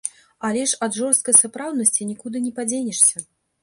Але ж ад жорсткай сапраўднасці нікуды не падзенешся.